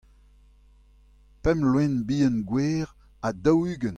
pemp loen bihan gwer ha daou-ugent.